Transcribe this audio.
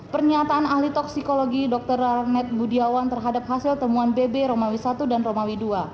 pernyataan ahli toksikologi dr ranet budiawan terhadap hasil temuan bb romawi satu dan romawi ii